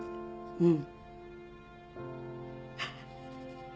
うん。